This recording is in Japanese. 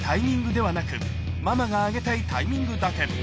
ミルクは子どもが欲しいタイミングではなく、ママがあげたいタイミングだけ。